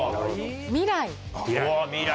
「未来」